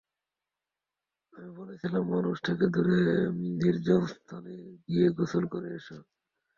আমি বলছিলাম, মানুষ থেকে দূরে নির্জন স্থানে গিয়ে গোসল করে এসো।